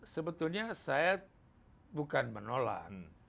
sebetulnya saya bukan menolak